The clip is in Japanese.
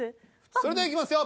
それではいきますよ。